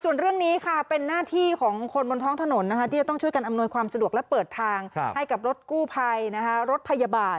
ส่วนเรื่องนี้ค่ะเป็นหน้าที่ของคนบนท้องถนนที่จะต้องช่วยกันอำนวยความสะดวกและเปิดทางให้กับรถกู้ภัยรถพยาบาล